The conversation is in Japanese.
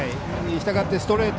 したがってストレート